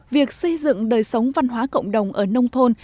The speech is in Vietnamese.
việc xây dựng đời sống văn hóa cộng đồng ở nông thôn